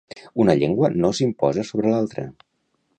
Una llengua no s'imposa sobre l'altra.